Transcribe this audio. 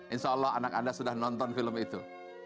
insya allah anak anda sudah nonton film itu